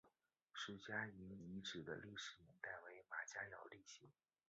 石家营遗址的历史年代为马家窑类型。